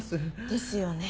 ですよね。